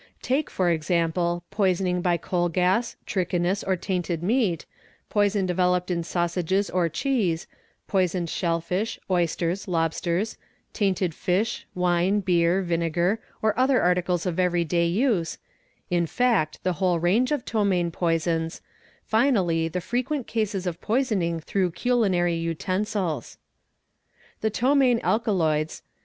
'Take, for example, poisoning by coal gas, trichinous or tainted meat, poison developed in sausages or cheese, poisoned shell fish, oysters, lobsters, tainted fish, wine, beer, vinegar or other articles of 28 218 THE EXPERT everyday use, in fact the whole range of ptomaine poisons, finally the — frequent cases of poisoning through culinary utensils 47% , The ptomaine alkaloids (e.